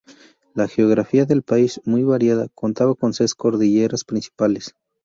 La geografía del país, muy variada, contaba con seis cordilleras principales.